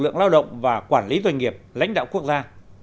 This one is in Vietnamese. lực lượng lao động và quản lý doanh nghiệp lãnh đạo quốc gia